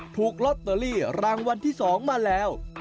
ถูกลอตเตอรี่รางวัลที่๒มาแล้ว